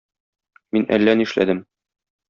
Мин әллә нишләдем.